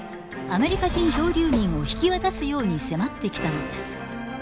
アメリカ人漂流民を引き渡すように迫ってきたのです。